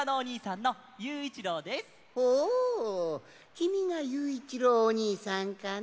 きみがゆういちろうおにいさんかね！